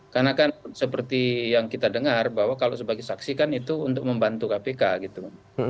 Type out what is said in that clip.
karena kan seperti yang kita dengar bahwa kalau sebagai saksi kan itu untuk membantu kpk gitu